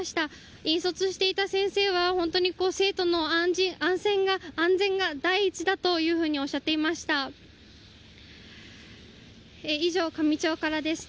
引率していた先生は本当に生徒の安全が第一だというふうにおっしゃっていました。